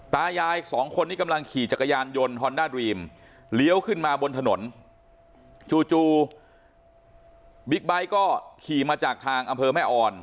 ตายายสองคนนี้กำลังขี่จักรยานยนต์ฮอนด้าดรีมเลี้ยวขึ้นมาบนถนนจู่จู่บิ๊กไบท์ก็ขี่มาจากทางอำเภอแม่อ่อน